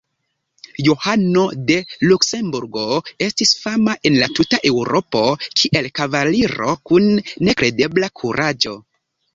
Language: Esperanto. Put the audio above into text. Johano de Luksemburgo estis fama en la tuta Eŭropo kiel kavaliro kun nekredebla kuraĝo.